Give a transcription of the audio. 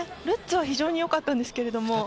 ルッツは非常に良かったんですけれども。